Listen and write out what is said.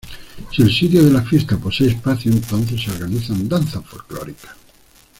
Si el sitio de la fiesta posee espacio, entonces se organizan danzas folclóricas.